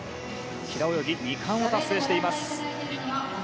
平泳ぎ２冠を達成しています。